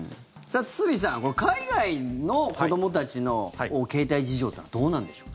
堤さん海外の子どもたちの携帯事情というのはどうなんでしょう。